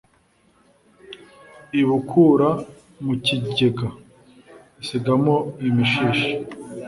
ibukura mu kigega, isigamo imishishi.